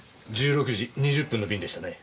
１６時２０分の便でしたね？